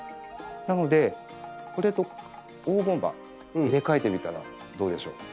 なのでこれと黄金葉入れ替えてみたらどうでしょう？